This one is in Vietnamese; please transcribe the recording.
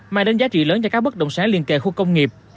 mà đến giá trị lớn cho các bất động sản liên kệ khu công nghiệp